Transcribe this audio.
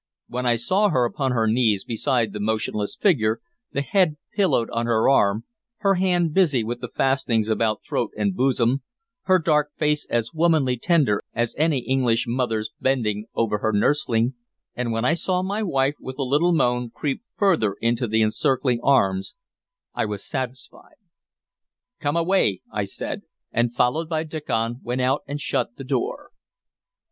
When I saw her upon her knees beside the motionless figure, the head pillowed on her arm, her hand busy with the fastenings about throat and bosom, her dark face as womanly tender as any English mother's bending over her nursling; and when I saw my wife, with a little moan, creep further into the encircling arms, I was satisfied. "Come away!" I said, and, followed by Diccon, went out and shut the door.